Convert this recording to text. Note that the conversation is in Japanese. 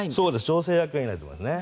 調整役がいないと思いますね。